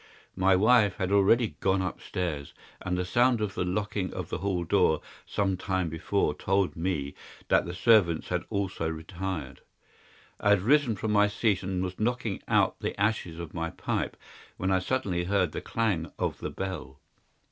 My wife had already gone upstairs, and the sound of the locking of the hall door some time before told me that the servants had also retired. I had risen from my seat and was knocking out the ashes of my pipe when I suddenly heard the clang of the bell.